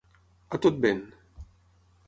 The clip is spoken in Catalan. A tot vent.